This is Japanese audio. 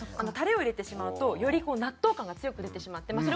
タレを入れてしまうとよりこう納豆感が強く出てしまって。